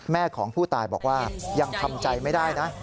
แม่ของผู้ตายบอกว่ายังทำใจไม่ได้นะ